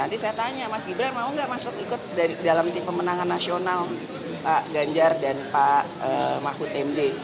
nanti saya tanya mas gibran mau nggak masuk ikut dalam tim pemenangan nasional pak ganjar dan pak mahfud md